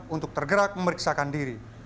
untuk tergerak memeriksakan diri